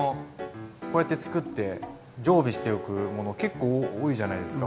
こうやって作って常備しておくもの結構多いじゃないですか。